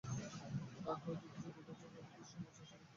হ্যা, হয়তো কিছু দেখেছে হয়তো বা কিছু শুনেছে অস্বাভাবিক কিছু, তুমি জানো?